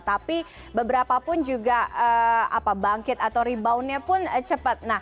tapi beberapa pun juga bangkit atau reboundnya pun cepat